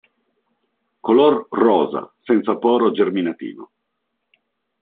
Color rosa, senza poro germinativo.